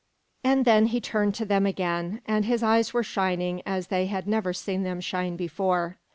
And then he turned to them again, and his eyes were shining as they had never seen them shine before.